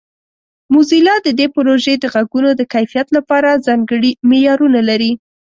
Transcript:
موزیلا د دې پروژې د غږونو د کیفیت لپاره ځانګړي معیارونه لري.